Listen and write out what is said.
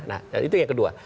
nah itu yang kedua